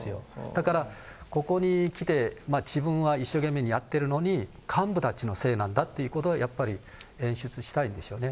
だからここにきて、自分は一生懸命にやってるのに、幹部たちのせいなんだってことをやっぱり演出したいんでしょうね。